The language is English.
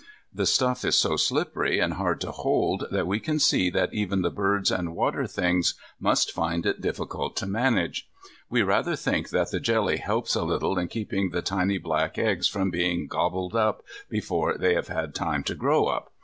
The stuff is so slippery and hard to hold that we can see that even the birds and water things must find it difficult to manage. We rather think that the jelly helps a little in keeping the tiny black eggs from being gobbled before they have had time to grow up.